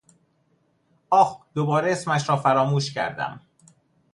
آخ دوباره اسمش را فراموش کردم!